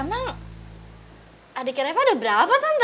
emang adiknya reva udah berapa tante